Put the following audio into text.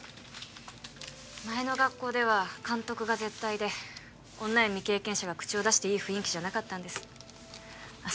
前の学校では監督が絶対で女や未経験者が口を出していい雰囲気じゃなかったんですあっ